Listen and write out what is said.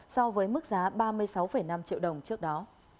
so với mức giá ba mươi sáu năm triệu đồng trước đó